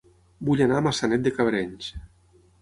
Vull anar a Maçanet de Cabrenys